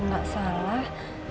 kalau gak salah